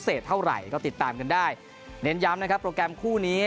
เท่าไหร่ก็ติดตามกันได้เน้นย้ำนะครับโปรแกรมคู่นี้